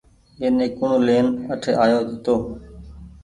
ايني ڪوڻ لين اٺي آيو هيتو۔